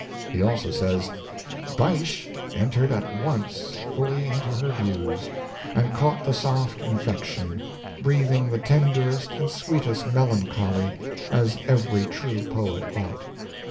He also says, "Bysshe entered at once fully into her views and caught the soft infection, breathing the tenderest and sweetest melancholy, as every true poet ought."